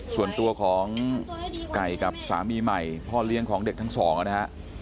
ส่วนตัวของไก่กับสามีใหม่พ่อเลี้ยงของเด็กทั้งสองนะฮะ